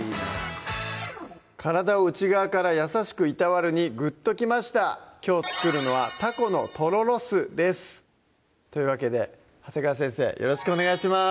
「体を内側から優しくいたわる」にぐっときましたきょう作るのは「たこのとろろ酢」ですというわけで長谷川先生よろしくお願いします